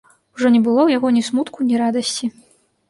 Ужо не было ў яго ні смутку, ні радасці.